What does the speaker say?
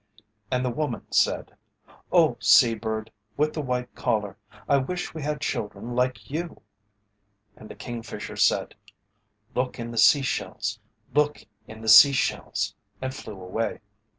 And the woman said, "Oh, sea bird with the white collar, I wish we had children like you." And the Kingfisher said, "Look in the sea shells; look in the sea shells," and flew away.